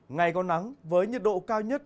ngày có nắng với nhiệt độ cao nhất